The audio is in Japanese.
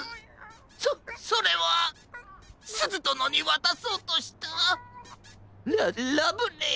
そそれはすずどのにわたそうとしたララブレ。